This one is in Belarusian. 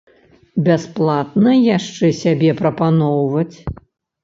Бясплатна яшчэ сябе прапаноўваць?